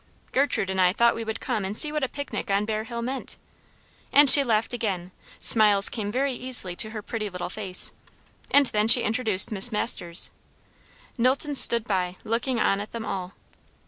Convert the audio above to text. Gertrude and I thought we would come and see what a picnic on Bear Hill meant." And she laughed again; smiles came very easily to her pretty little face. And then she introduced Miss Masters. Knowlton stood by, looking on at them all.